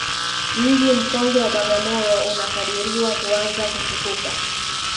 Mji mkongwe wa Bagamoyo unakadiriwa kuanza kutukuka